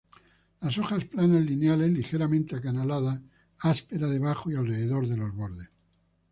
Las hojas planas lineales, ligeramente acanaladas, áspera debajo y alrededor de los bordes.